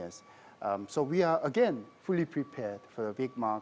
jadi kami sudah sepenuhnya siap untuk perjalanan besar